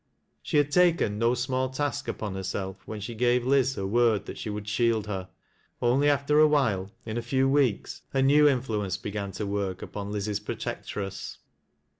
She had taken no small task upon herself when she gave Liz her word that she would shield her. Only after a while, in a few weeks, a new influence began to work upon Liz's protectress.